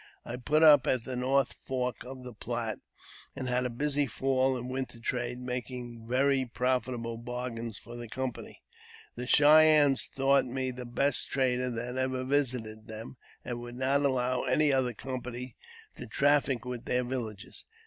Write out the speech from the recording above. I put up at the North Fork of the Platte, and had a busy fall and winter trade, making many very profitable bargains for the company. The Cheyennes thought me the best trader that ever visited them, and would not allow any other company to traffic with their villages.